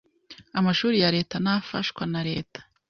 amashuri ya leta n’afashwa na leta